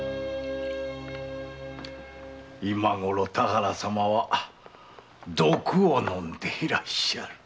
今ごろ田原様は毒をのんでいらっしゃる。